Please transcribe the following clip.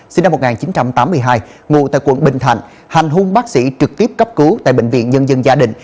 sinh năm một nghìn chín trăm tám mươi hai ngụ tại quận bình thạnh hành hung bác sĩ trực tiếp cấp cứu tại bệnh viện nhân dân gia đình